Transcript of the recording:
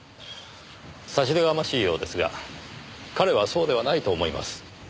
差し出がましいようですが彼はそうではないと思います。